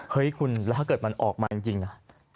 เฮ้ยคุณแล้วถ้าเกิดมันออกมาจริงอ่ะ